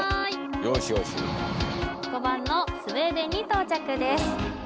よしよし５番のスウェーデンに到着です